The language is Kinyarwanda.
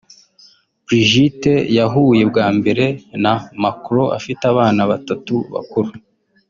Brigitte yahuye bwa mbere na Macron afite abana batatu bakuru